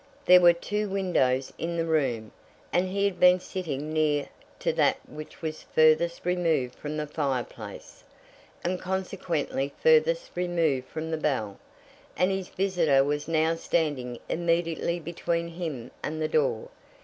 There were two windows in the room, and he had been sitting near to that which was furthest removed from the fireplace, and consequently furthest removed from the bell, and his visitor was now standing immediately between him and the door.